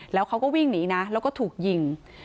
แล้วเขาก็วิ่งหนีนะแล้วก็ถูกยิง